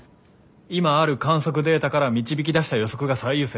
今ある観測データから導き出した予測が最優先です。